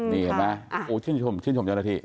นี่เห็นมั้ยชื่นชมเจ้าหน้าที่